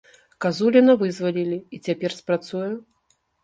Казуліна вызвалілі, і цяпер спрацуе?